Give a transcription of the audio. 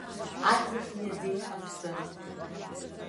Аҵх иаӡеит аԥсы.